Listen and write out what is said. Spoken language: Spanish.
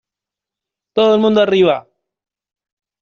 ¡ todo el mundo arriba!